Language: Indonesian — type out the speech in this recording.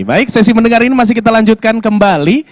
baik sesi mendengar ini masih kita lanjutkan kembali